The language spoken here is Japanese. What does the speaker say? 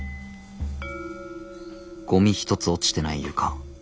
ゴミ一つ落ちてない床。